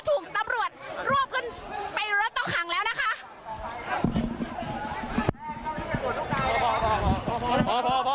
ถูกตำรวจรวบขึ้นไปรถต้องขังแล้วนะคะ